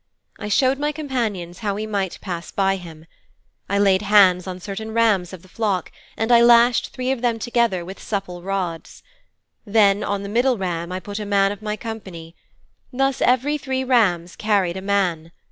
I showed my companions how we might pass by him. I laid hands on certain rams of the flock and I lashed three of them together with supple rods. Then on the middle ram I put a man of my company. Thus every three rams carried a man.